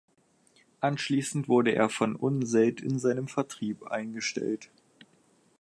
Anschließend wurde er von Unseld in seinem Vertrieb eingestellt.